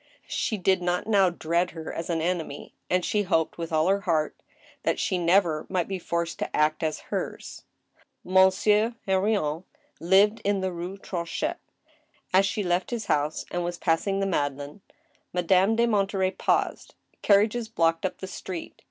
She did not now dread her as an enemy, and she hoped with all her heart that she never might be forced to act as hers. Monsieur Henrion lived in the Rue Tronchet. As she left his house and was passing the Madeleine, Madame de Monterey paused. Carriages blocked up the street.